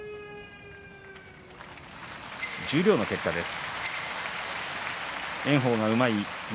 十両の結果です。